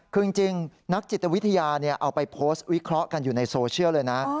คือจริงนักจิตวิทยาเอาไปโพสต์วิเคราะห์กันอยู่ในโซเชียลเลยนะ